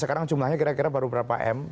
sekarang jumlahnya kira kira baru berapa m